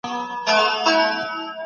د پراکریت په آثارو کي دغه کلمه "اوه گانا"